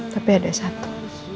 tapi ada satu